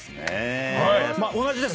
同じです。